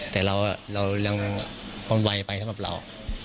แต่เรากำไวไปสำหรับเรา